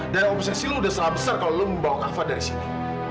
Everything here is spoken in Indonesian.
dan obsesi lo udah salah besar kalau lo membawa kava dari sini